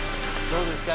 どうですか？